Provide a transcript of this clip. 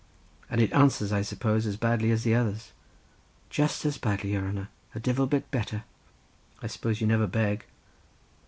"And it answers, I suppose, as badly as the others?" "Just as badly, your hanner; divil a bit better." "I suppose you never beg?"